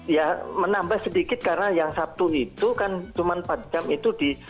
ya menambah sedikit karena yang sabtu itu kan cuma empat jam itu di